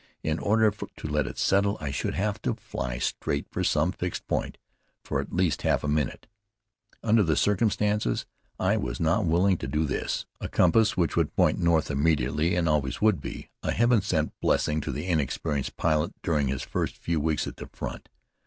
In order to let it settle, I should have to fly straight for some fixed point for at least half a minute. Under the circumstances I was not willing to do this. A compass which would point north immediately and always would be a heaven sent blessing to the inexperienced pilot during his first few weeks at the front.